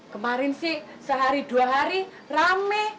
kemarin sih sehari dua hari rame